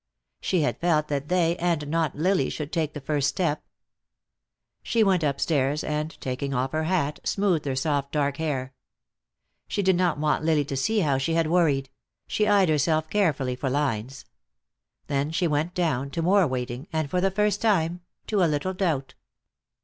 She had felt that they, and not Lily, should take the first step. She went upstairs, and taking off her hat, smoothed her soft dark hair. She did not want Lily to see how she had worried; she eyed herself carefully for lines. Then she went down, to more waiting, and for the first time, to a little doubt.